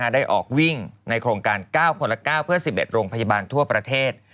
ได้ออกวิ่งในโครงการ๙คนละ๙เพื่อ๑๑โรงพยาบาลทั่วประเทศ